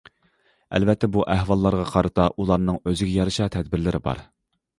ئەلۋەتتە بۇ ئەھۋاللارغا قارىتا ئۇلارنىڭ ئۆزىگە يارىشا تەدبىرلىرى بار.